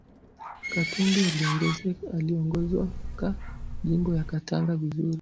Katumbi aliongozaka jimbo ya katanga vizuri